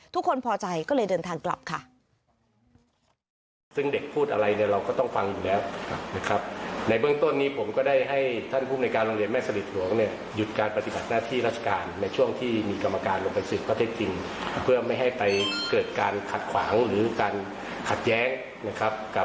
ทุกคนพอใจก็เลยเดินทางกลับค่ะ